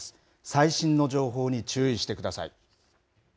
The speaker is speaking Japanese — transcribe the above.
最新の情報に注意してください。